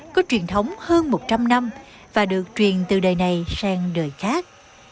có truyền thống hơn một trăm linh năm và được truyền từ đời này sang đời khác